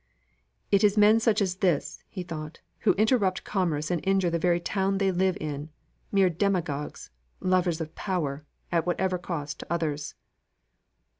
"It is men such as this," thought he, "who interrupt commerce and injure the very town they live in: mere demagogues, lovers of power at whatever cost to others."